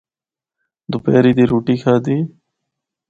دوپہری دی رُٹّی کھادی۔